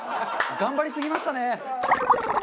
頑張りすぎましたね。